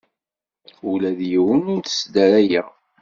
Ula d yiwen ur t-sdarayeɣ.